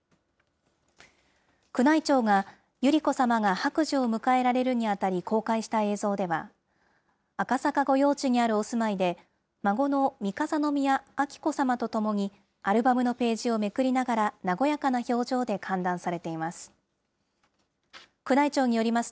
宮内庁が、百合子さまが白寿を迎えられるにあたり公開した映像では、赤坂御用地にあるお住まいで、孫の三笠宮彬子さまとともに、アルバムのページをめくりながら、和やかな表情で歓談されています。